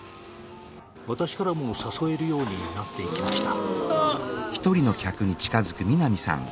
私からも誘えるようになっていきました。